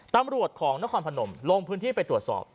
ตำรวจของนครพนมลงพื้นที่ไปตรวจสอบ